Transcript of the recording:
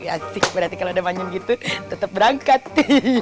asik berarti kalo ada panjang gitu tetep berangkat